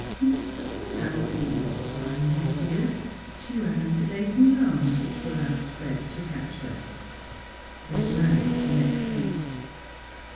But somehow, being all blind with tears, she ran into Nathan's arms which were outspread to catch her. They were married the next week.